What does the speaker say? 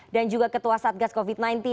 dan juga ketua satgas covid sembilan belas